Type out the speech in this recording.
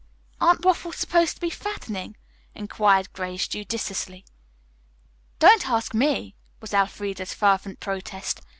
"Aren't waffles supposed to be fattening?" inquired Grace judiciously. "Don't ask me," was Elfreda's fervent protest.